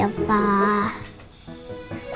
aku curat ya pa